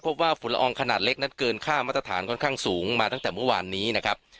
ฝุ่นละอองขนาดเล็กนั้นเกินค่ามาตรฐานค่อนข้างสูงมาตั้งแต่เมื่อวานนี้นะครับ